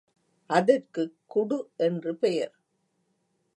அதற்குக் குடு என்று பெயர்.